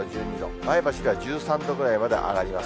前橋では１３度ぐらいまで上がります。